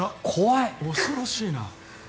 恐ろしいな。